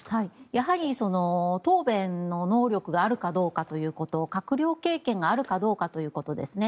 やはり、答弁の能力があるかどうかということ閣僚経験があるかどうかということですね。